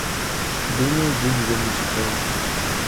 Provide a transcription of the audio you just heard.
Думаю, будзе вельмі цікава.